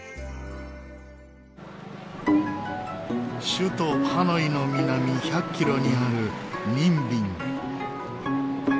首都ハノイの南１００キロにあるニンビン。